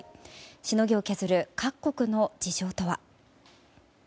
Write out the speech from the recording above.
しのぎを削る各国の事情とは？